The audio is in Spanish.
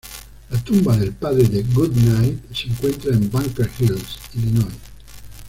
La tumba del padre de Goodnight se encuentra en Bunker Hill, Illinois.